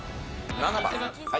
７番。